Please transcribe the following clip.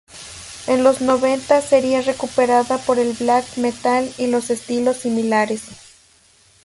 En los noventa sería recuperada por el Black metal y los estilos similares.